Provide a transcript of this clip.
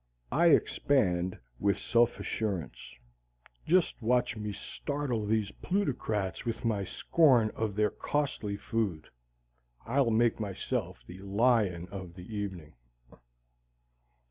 I expand with self assurance. Just watch me startle these plutocrats with my scorn of their costly food. I'll make myself the lion of the evening.